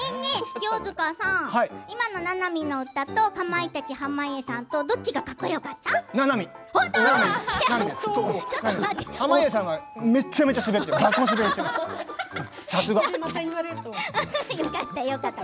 清塚さん、今のななみの歌と濱家さんとどっちがかっこよかった？